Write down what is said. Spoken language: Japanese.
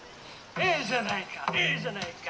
「ええじゃないかええじゃないか」